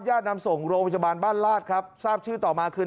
นำส่งโรงพยาบาลบ้านลาดครับทราบชื่อต่อมาคือ